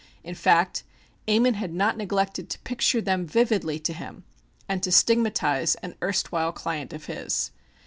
In fact Ammon had not neglected to picture them vividly to him and to stigmatize an erstwhile client of his.